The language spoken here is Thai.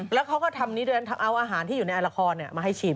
แล้วเขาก็ทำนี้เดี๋ยวนั้นเอาอาหารที่อยู่ในอลลาคอลมาให้ชิม